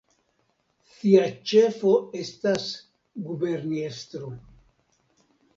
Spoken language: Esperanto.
Sia ĉefo estas guberniestro.